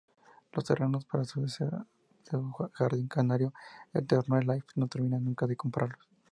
Los terrenos para su deseado Jardín Canario en Tenerife no terminan nunca de comprarlos.